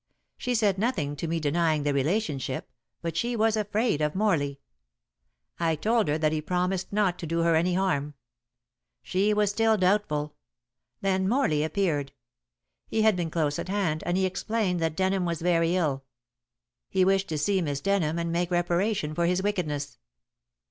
She said nothing to me denying the relationship, but she was afraid of Morley. I told her that he had promised not to do her any harm. She was still doubtful. Then Morley appeared. He had been close at hand, and he explained that Denham was very ill. He wished to see Miss Denham and make reparation for his wickedness.